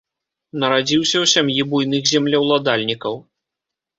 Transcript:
Нарадзіўся ў сям'і буйных землеўладальнікаў.